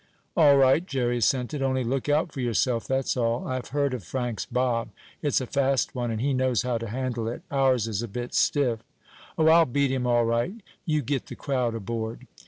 "All right," Jerry assented. "Only look out for yourself, that's all. I've heard of Frank's bob. It's a fast one, and he knows how to handle it. Ours is a bit stiff." "Oh, I'll beat him all right. You get the crowd aboard."